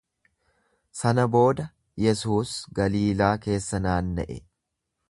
Sana booda Yesuus Galiilaa keessa naanna’e.